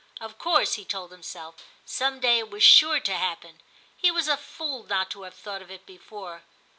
Of course, he told himself, some day it was sure to happen ; he was a fool not to have thought of it before.